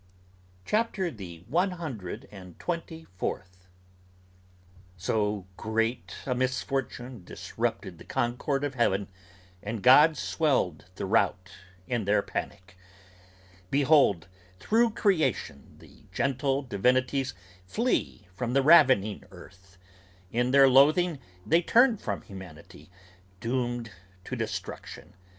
CHAPTER THE ONE HUNDRED AND TWENTY FOURTH. "So great a misfortune disrupted the concord of heaven And gods swelled the rout in their panic! Behold through creation The gentle divinities flee from the ravening earth; in Their loathing they turn from humanity, doomed to destruction!